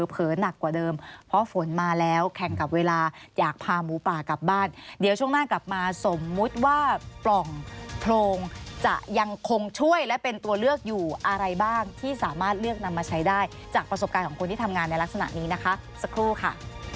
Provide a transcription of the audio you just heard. หนักกว่าเดิมเพราะฝนมาแล้วแข่งกับเวลาอยากพาหมูป่ากลับบ้านเดี๋ยวช่วงหน้ากลับมาสมมุติว่าปล่องโพรงจะยังคงช่วยและเป็นตัวเลือกอยู่อะไรบ้างที่สามารถเลือกนำมาใช้ได้จากประสบการณ์ของคนที่ทำงานในลักษณะนี้นะคะสักครู่ค่ะ